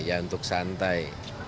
ya untuk santai